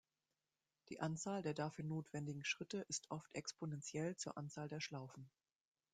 Die Anzahl der dafür notwendigen Schritte ist oft exponentiell zur Anzahl der Schlaufen.